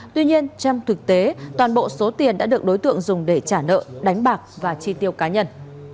tuy nhiên trong thực tế toàn bộ số tiền đã được đối tượng dùng để trả nợ đánh bạc và chi tiêu cá nhân